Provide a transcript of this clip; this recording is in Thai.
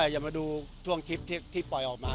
อย่ามาดูช่วงคลิปที่ปล่อยออกมา